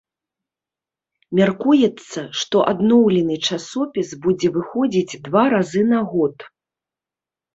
Мяркуецца, што адноўлены часопіс будзе выходзіць два разы на год.